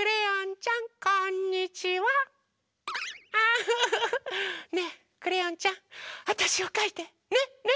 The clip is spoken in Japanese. ウフフフねえクレヨンちゃんあたしをかいてねね？